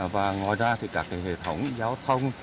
và ngoài ra các hệ thống giao thông